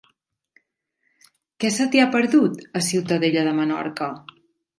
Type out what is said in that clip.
Què se t'hi ha perdut, a Ciutadella de Menorca?